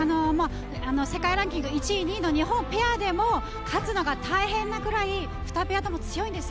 世界ランキング１位、２位の日本のペアでも勝つのが大変なくらい２ペアとも強いです。